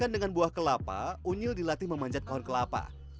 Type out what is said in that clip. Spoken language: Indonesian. dilatih memanjat pohon kelapa